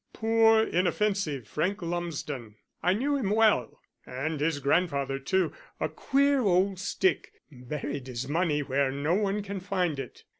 Poor, inoffensive Frank Lumsden! I knew him well, and his grandfather too a queer old stick. Buried his money where no one can find it.